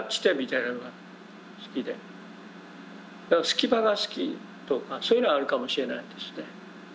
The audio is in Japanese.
隙間が好きとかそういうのはあるかもしれないですね。